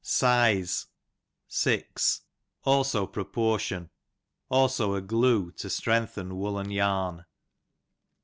101 Size, six ; also proportion ; also a glue to strengthen woollen yarn.